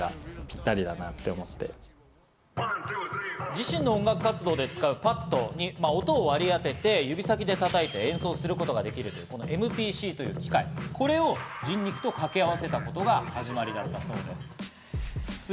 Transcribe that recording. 自身の音楽活動で使うパッドに音を割り当てて指先で叩いて演奏することができるＭＰＣという機械、これを人肉と掛け合わせたことが始まりなんだそうです。